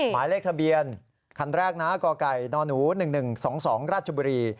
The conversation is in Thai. หมายเลขทะเบียนคันแรกนะกไก่นหนู๑๑๒๒ราชบุรี